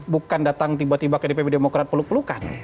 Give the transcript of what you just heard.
bukan datang tiba tiba ke dpp demokrat peluk pelukan